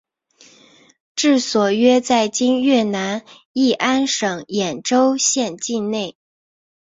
治所约在今越南乂安省演州县境内。